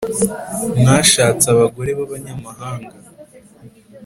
mwashatse abagore b abanyamahanga